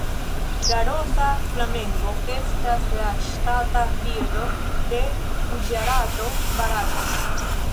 La Roza flamengo estas la ŝtata birdo de Guĝarato, Barato.